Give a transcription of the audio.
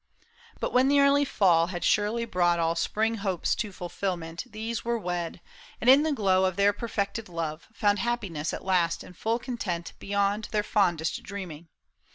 But when the early Fall had surely brought All spring hopes to fulfillment, these were wed. And in the glow of their perfected love Found happiness at last and full content Beyond their fondest dreaming.